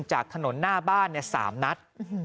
จากถนนหน้าบ้าน๓นัด